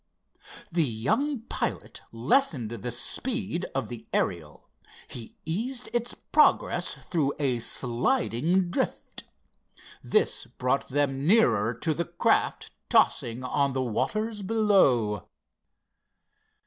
The young pilot lessened the speed of the Ariel. He eased its progress through a sliding drift. This brought them nearer to the craft tossing on the waters below.